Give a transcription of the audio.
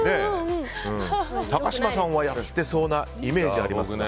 高嶋さんはやってそうなイメージがありますが。